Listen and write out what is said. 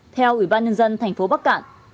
theo ủy ban nhân dân tp bắc cạn